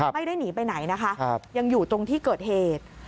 ไม่ได้หนีไปไหนนะคะยังอยู่ตรงที่เกิดเหตุ